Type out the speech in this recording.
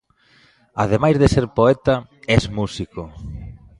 Ademais de ser poeta, es músico.